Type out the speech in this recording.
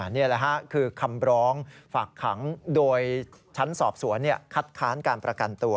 นี่แหละฮะคือคำร้องฝากขังโดยชั้นสอบสวนคัดค้านการประกันตัว